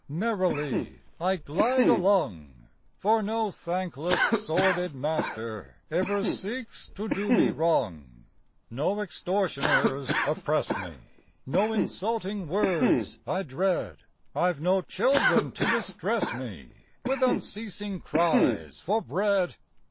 Merrily I glide along, For no thankless, sordid master, Ever seeks to do me wrong: No extortioners oppress me, No insulting words I dread I've no children to distress me With unceasing cries for bread.